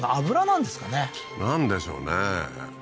なんでしょうね？